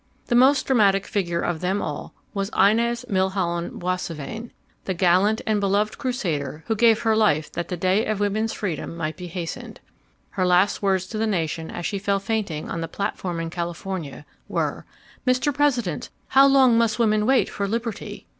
The most dramatic figure of them all was Inez Milholland Boissevain, the gallant and beloved crusader who gave her life that the day of women's freedom might be hastened. Her last words to the nation as she fell fainting on the platform in California were, "Mr. President, how long must women wait for liberty?"